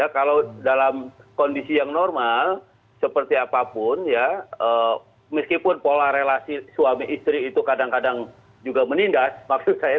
kalau dalam kondisi yang normal seperti apapun ya meskipun pola relasi suami istri itu kadang kadang juga menindas maksud saya